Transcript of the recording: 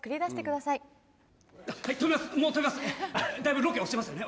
だいぶロケ押してますよね。